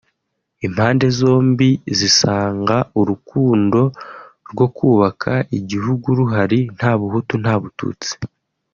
Impande zombi zisanga urukundo rwo kubaka igihugu ruhari nta buhutu nta bututsi